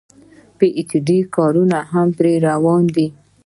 د پي ايچ ډي کارونه هم پرې روان دي